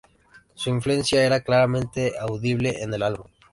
Su influencia era claramente audible en el álbum.